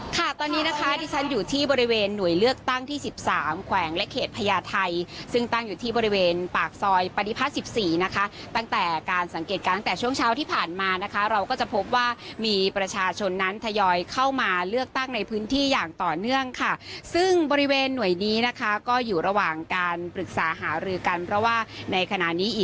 ค่ะตอนนี้นะคะที่ฉันอยู่ที่บริเวณหน่วยเลือกตั้งที่สิบสามแขวงและเขตพญาไทยซึ่งตั้งอยู่ที่บริเวณปากซอยปฏิพัฒน์๑๔นะคะตั้งแต่การสังเกตการณ์ตั้งแต่ช่วงเช้าที่ผ่านมานะคะเราก็จะพบว่ามีประชาชนนั้นทยอยเข้ามาเลือกตั้งในพื้นที่อย่างต่อเนื่องค่ะซึ่งบริเวณหน่วยนี้นะคะก็อยู่ระหว่างการปรึกษาหารือกันเพราะว่าในขณะนี้อ